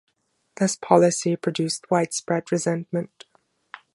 This policy produced widespread resentment.